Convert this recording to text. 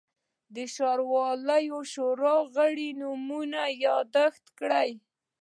د ښاروالۍ شورا غړو نومونه یاداشت کړل.